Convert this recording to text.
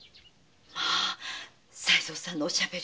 まぁ才三さんのおしゃべり。